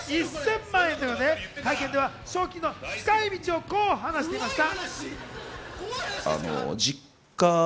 優勝賞金は１０００万円なので、会見では賞金の使い道をこう話していました。